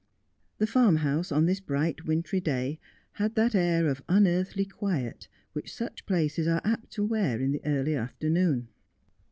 The farmhouse, on this bright wintry day, had that air of unearthly quiet which such places are apt to wear in the early afternoon.